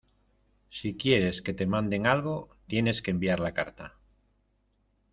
si quieres que te manden algo, tienes que enviar la carta.